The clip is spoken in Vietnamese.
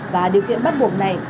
và điều kiện bắt buộc này